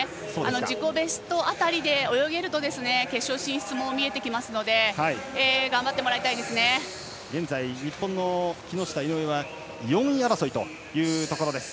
自己ベスト辺りで泳げると決勝進出も見えてきますので日本の木下、井上は４位争いというところです。